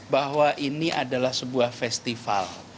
bahwa ini adalah sebuah festival